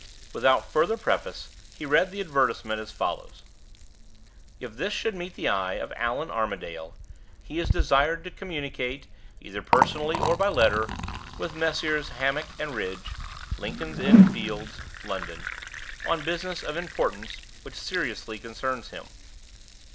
Without further preface, he read the advertisement as follows: IF this should meet the eye of ALLAN ARMADALE, he is desired to communicate, either personally or by letter, with Messrs. Hammick and Ridge (Lincoln's Inn Fields, London), on business of importance which seriously concerns him.